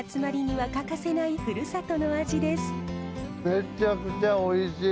めちゃくちゃおいしい。